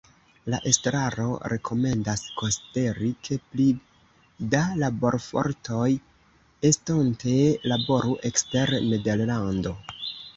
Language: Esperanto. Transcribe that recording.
La estraro rekomendas konsideri, ke pli da laborfortoj estonte laboru ekster Nederlando.